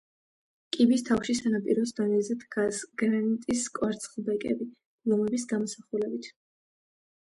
კიბის თავში სანაპიროს დონეზე დგას გრანიტის კვარცხლბეკები ლომების გამოსახულებით.